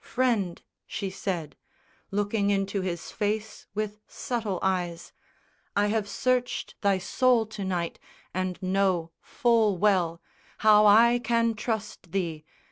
"Friend," she said, Looking into his face with subtle eyes, "I have searched thy soul to night and know full well How I can trust thee!